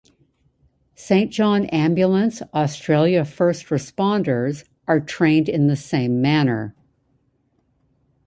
Saint John Ambulance Australia First Responders are trained in the same manner.